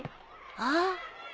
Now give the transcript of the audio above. あっ！